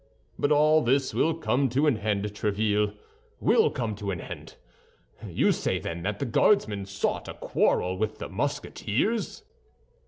But all this will come to an end, Tréville, will come to an end. You say, then, that the Guardsmen sought a quarrel with the Musketeers?"